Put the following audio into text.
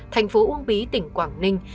thành phố uông bí tỉnh quảng ninh